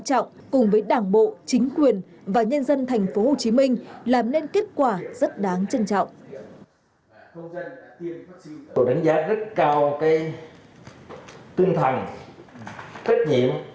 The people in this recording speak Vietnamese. trọng cùng với đảng bộ chính quyền và nhân dân thành phố hồ chí minh làm nên kết quả rất đáng trân trọng